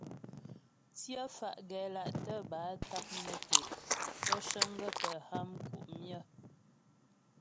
Tsyə fá́ gɛla'tə bə́ á taknyə tɛ', bə́ cəŋgaə́ pə́ ha mku' myə.